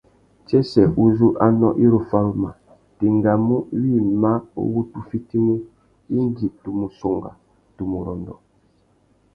Tsêssê uzu anô i ru faruma, tu engamú wïmá uwú tu fitimú indi tu mù songha, tu mù rôndô.